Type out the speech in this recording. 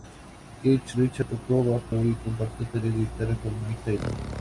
Keith Richards tocó bajo y compartió tareas de guitarra con Mick Taylor.